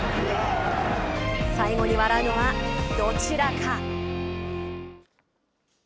最後に笑うのは、どちらか。